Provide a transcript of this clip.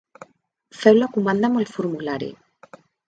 Feu la comanda amb el formulari.